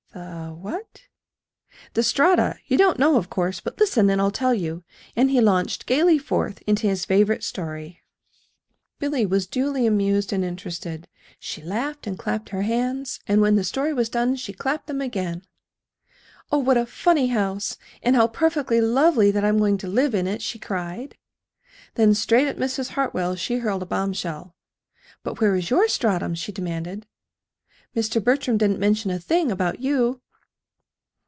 "The what?" "The Strata. You don't know, of course, but listen, and I'll tell you." And he launched gaily forth into his favorite story. Billy was duly amused and interested. She laughed and clapped her hands, and when the story was done she clapped them again. "Oh, what a funny house! And how perfectly lovely that I'm going to live in it," she cried. Then straight at Mrs. Hartwell she hurled a bombshell. "But where is your stratum?" she demanded. "Mr. Bertram didn't mention a thing about you!"